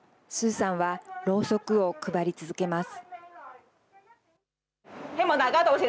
鄒さんはろうそくを配り続けます。